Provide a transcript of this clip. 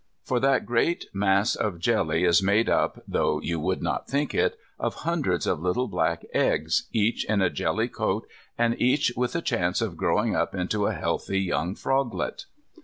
For that great mass of jelly is made up, though you would not think it, of hundreds of little black eggs, each in a jelly coat, and each with a chance of growing up into a healthy young froglet.